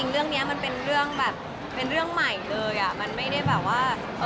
เราก็ดูผลงานดีกว่า